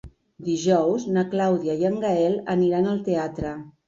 Dijous na Clàudia i en Gaël aniran al teatre.